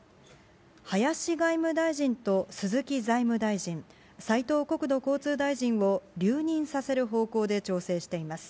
林外務大臣と鈴木財務大臣、斉藤国土交通大臣を留任させる方向で調整しています。